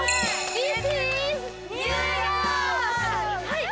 はい。